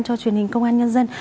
cho truyền hình công an nhân dân